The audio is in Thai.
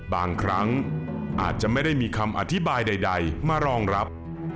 บางครั้งอาจจะไม่ได้มีคำอธิบายใดมารองรับ